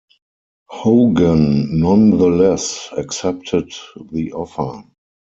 Hogan nonetheless accepted the offer.